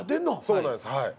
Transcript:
そうなんですはい。